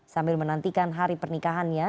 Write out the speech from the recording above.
sambil menantikan hari pernikahannya